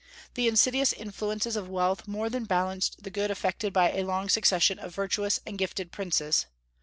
The insidious influences of wealth more than balanced the good effected by a long succession of virtuous and gifted princes.